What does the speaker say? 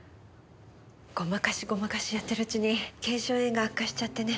ごまかしごまかしやってるうちに腱鞘炎が悪化しちゃってね。